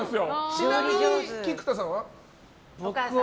ちなみに菊田さんは？